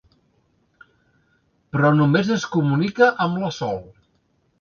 Però només es comunica amb la Sol.